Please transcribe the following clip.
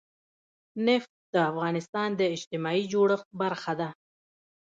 نفت د افغانستان د اجتماعي جوړښت برخه ده.